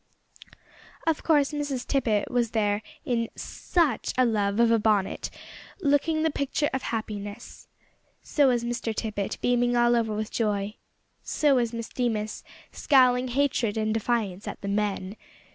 Of course, Miss Tippet was there in "such a love of a bonnet," looking the picture of happiness. So was Mr Tippet, beaming all over with joy. So was Miss Deemas, scowling hatred and defiance at the men.